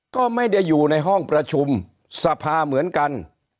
ก็ไม่ได้อยู่ในห้องประชุมสภาเหมือนกัน